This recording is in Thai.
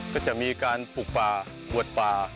ก็จะมีการปลูกป่าบวชป่า